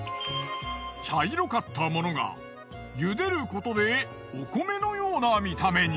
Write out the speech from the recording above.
茶色かったものが茹でることでお米のような見た目に。